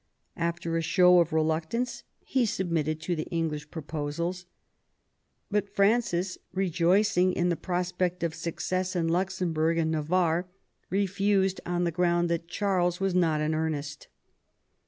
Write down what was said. After a show of reluct ance he submitted to the English proposals ; but Francis, rejoicing in the prospect of success in Luxembourg and Navarre, refused on the ground that Charles was not in earnest.